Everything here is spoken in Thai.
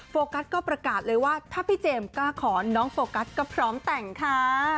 โฟกัสก็ประกาศเลยว่าถ้าพี่เจมส์กล้าขอน้องโฟกัสก็พร้อมแต่งค่ะ